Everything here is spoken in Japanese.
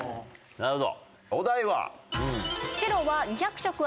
なるほど。